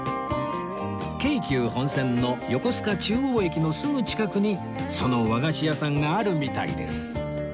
京急本線の横須賀中央駅のすぐ近くにその和菓子屋さんがあるみたいです